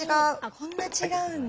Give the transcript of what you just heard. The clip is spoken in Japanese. こんな違うんだ。